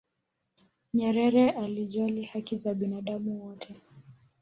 nyerere alijali haki za binadamu wote